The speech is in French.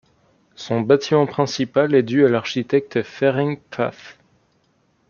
Son bâtiment principal est dû à l'architecte Ferenc Pfaff.